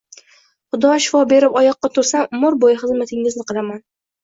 Xudo shifo berib oyoqqa tursam, umr bo`yi xizmatingizni qilaman